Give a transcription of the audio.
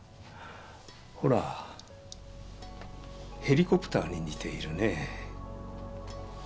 ほらヘリコプターに似ているね。